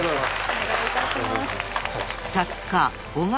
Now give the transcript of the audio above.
お願いいたします。